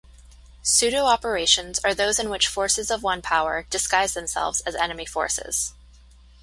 Pseudo-operations are those in which forces of one power disguise themselves as enemy forces.